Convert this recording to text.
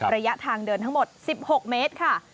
ระยะทางเดินทั้งหมด๑๖เมตรค่ะ